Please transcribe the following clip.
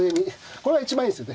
これが一番いいんですよね。